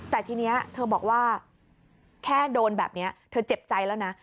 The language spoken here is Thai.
แต่ทีนี้เธอบอกว่าแค่โดนแบบนี้เธอเจ็บใจแล้วนะ